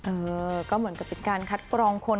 เออก็เหมือนกับเป็นการคัดกรองคน